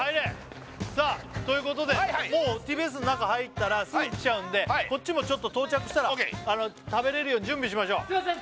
さあということでもうＴＢＳの中に入ったらすぐ来ちゃうんでこっちもちょっと到着したら食べれるように準備しましょうすいません